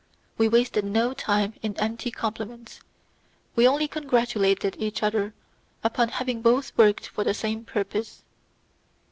We wasted no time in empty compliments; we only congratulated each other upon having both worked for the same purpose.